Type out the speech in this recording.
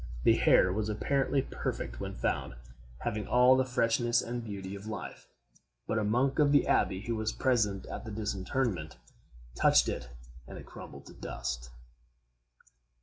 The hair was apparently perfect when found, having all the freshness and beauty of life; but a monk of the abbey, who was present at the disinterment, touched it and it crumbled to dust.